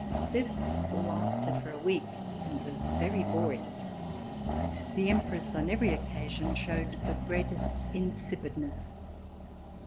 This lasted for a week and was very boring. The Empress on every occasion showed the greatest insipidness.